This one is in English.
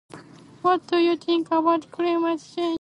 What do you think about privacy?